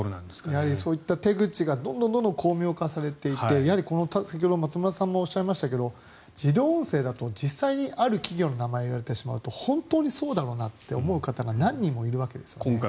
そういった手口がどんどん巧妙化されていて先ほど松丸さんもおっしゃいましたが自動音声だと実際にある企業の名前を言われたりすると本当にそうだろうなって思う方が何人もいるわけです。